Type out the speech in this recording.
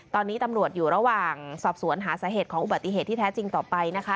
ตอนนี้ตำรวจอยู่ระหว่างสอบสวนหาสาเหตุของอุบัติเหตุที่แท้จริงต่อไปนะคะ